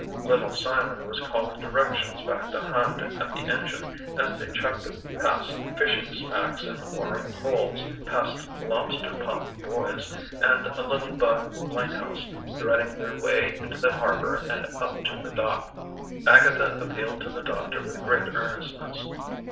Little Simon was calling directions back to Hand at the engine as they chugged past fishing smacks and mooring poles, past lobster pot buoys and a little bug lighthouse, threading their way into the harbor and up to the dock. Agatha appealed to the doctor with great earnestness.